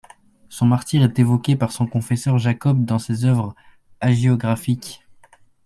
Son martyr est évoqué par son confesseur Jacob dans ses œuvres hagiographiques.